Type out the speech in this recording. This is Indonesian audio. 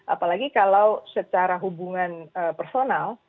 apalagi kalau secara hubungan personal